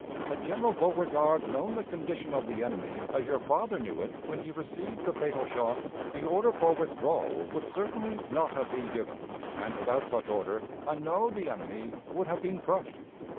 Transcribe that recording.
Had General Beauregard known the condition of the enemy as your father knew it when he received the fatal shot, the order for withdrawal would certainly not have been given, and, without such order, I know the enemy would have been crushed."